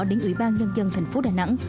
đến ủy ban nhân dân thành phố đà nẵng